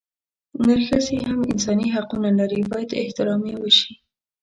نرښځي هم انساني حقونه لري بايد احترام يې اوشي